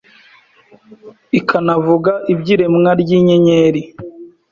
ikanavuga iby’iremwa ry’inyenyeri